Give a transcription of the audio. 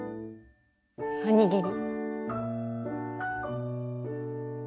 おにぎり。